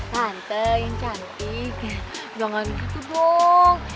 tante yang cantik jangan gitu dong